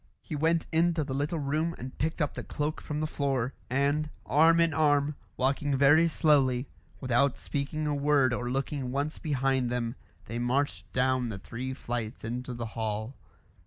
He went into the little room and picked up the cloak from the floor, and, arm in arm, walking very slowly, without speaking a word or looking once behind them, they marched down the three flights into the hall.